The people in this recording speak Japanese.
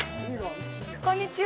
こんにちは。